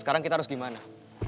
sekarang kita harus gimana